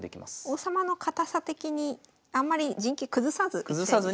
王様の堅さ的にあんまり陣形崩さずいきたいですね。